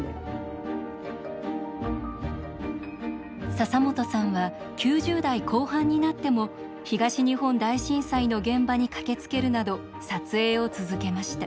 笹本さんは９０代後半になっても東日本大震災の現場に駆けつけるなど撮影を続けました。